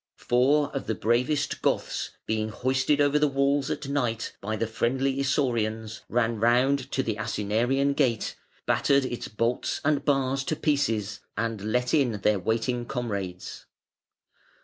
Four of the bravest Goths being hoisted over the walls at night by the friendly Isaurians, ran round to the Asinarian Gate, battered its bolts and bars to pieces, and let in their waiting comrades.